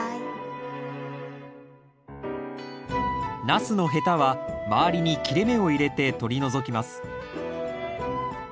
ナスのヘタは周りに切れ目を入れて取り除きます。